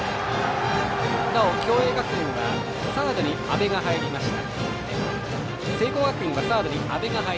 なお、聖光学院はサードに安部が入りました。